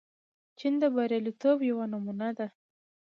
چین د بریالیتوب یوه نمونه ده.